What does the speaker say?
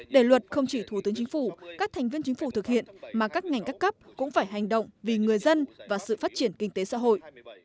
để luật không chỉ thủ tướng chính phủ các thành viên chính phủ thực hiện mà các ngành các cấp cũng phải hành động vì người dân và sự phát triển kinh tế xã hội